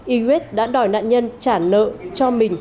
yves đã đòi nạn nhân trả nợ cho mình